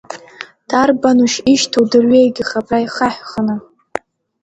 Дарбанушь ишьҭоу дырҩегьх абра ихаҳәханы?